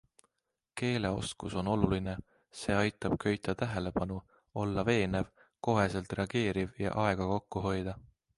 Keeleoskus on oluline, see aitab köita tähelepanu, olla veenev, koheselt reageeriv ja aega kokku hoida.